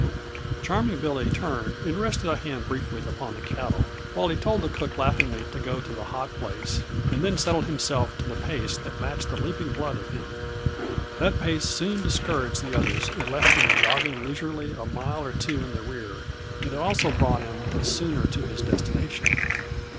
Charming Billy turned and rested a hand briefly upon the cantle while he told the cook laughingly to go to the hot place, and then settled himself to the pace that matched the leaping blood of him. That pace soon discouraged the others and left them jogging leisurely a mile or two in the rear, and it also brought him the sooner to his destination.